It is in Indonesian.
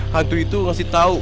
hantu itu ngasih tahu